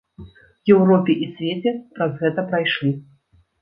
Еўропе і свеце праз гэта прайшлі.